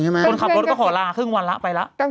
โทษทีน้องโทษทีน้องโทษทีน้อง